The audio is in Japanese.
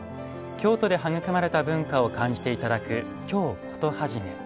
京都で育まれた文化を感じて頂く「京コトはじめ」。